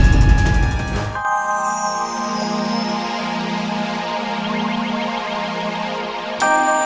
aku akan menemukanmu